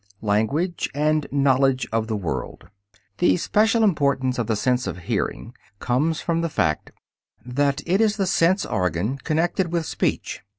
LANGUAGE AND KNOWLEDGE OF THE WORLD The special importance of the sense of hearing comes from the fact that it is the sense organ connected with speech.